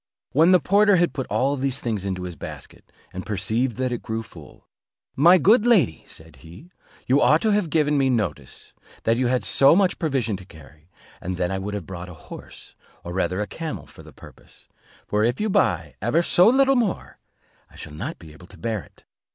When the porter had put all these things into his basket, and perceived that it grew full, "My good lady," said he, "you ought to have given me notice that you had so much provision to carry, and then I would have brought a horse, or rather a camel, for the purpose; for if you buy ever so little more, I shall not be able to bear it."